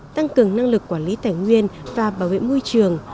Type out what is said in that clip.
tăng cường năng lực quản lý tài nguyên và bảo vệ môi trường